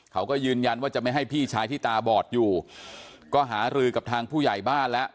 เขาก็ยืนยันว่าจะไม่ให้พี่ชายที่ตาบอดอยู่ก็หารือกับทางผู้ใหญ่บ้านแล้ว